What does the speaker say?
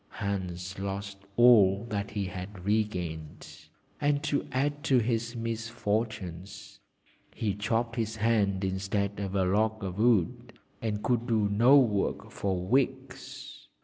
Hans lost all that he had re gained, and to add to his misfortunes, he chopped his hand instead of a log of wood, and could do no work for weeks.